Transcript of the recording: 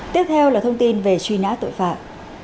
tiếp theo là thông tin về truy nã tội phạm